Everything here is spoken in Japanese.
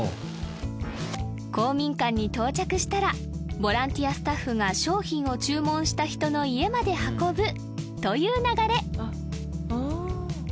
公民館に到着したらボランティアスタッフが商品を注文した人の家まで運ぶという流れ